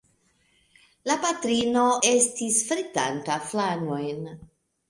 La patrino estis fritanta flanojn.